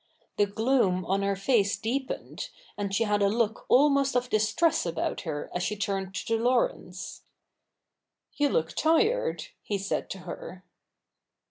The gloom on her face deepened, and she had a look almost of distress about her as she turned to Laurence. ' You look tired,' he said to her.